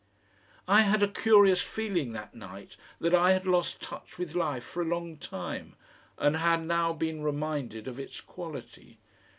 I had a curious feeling that night that I had lost touch with life for a long time, and had now been reminded of its quality.